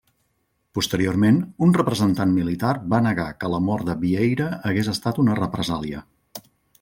Posteriorment un representant militar va negar que la mort de Vieira hagués estat una represàlia.